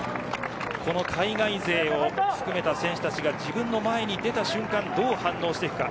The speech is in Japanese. この海外勢を含めた選手たちが自分の前に出た瞬間にどう反応するか。